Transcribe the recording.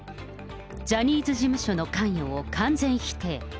ジャニーズ事務所の関与を完全否定。